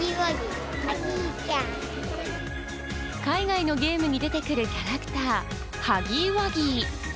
海外のゲームに出てくるキャラクター・ハギーワギー。